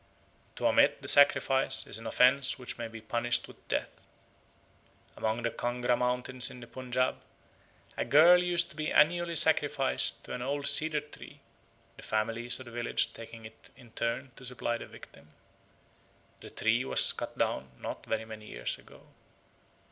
To omit the sacrifice is an offence which may be punished with death. Among the Kangra mountains of the Punjaub a girl used to be annually sacrificed to an old cedar tree, the families of the village taking it in turn to supply the victim. The tree was cut down not very many years ago.